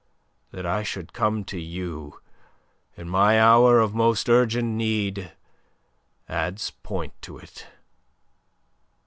That I should come to you in my hour of most urgent need adds point to it."